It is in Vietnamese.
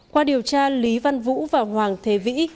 qua điều tra lý văn vũ và hoàng thế vĩ